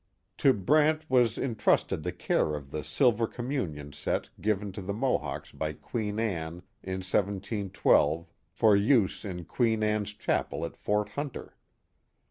To Brant was intrusted the care of the silver communion set given to the Mohawks by Queen Anne in 17 12 for use in Queen Anne's Chapel at Fort Hunter.